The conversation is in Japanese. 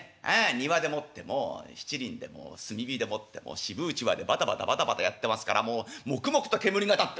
庭でもってもう七輪でもう炭火でもって渋うちわでバタバタバタバタやってますからもうモクモクと煙が立って。